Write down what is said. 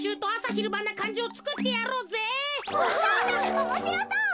おもしろそう！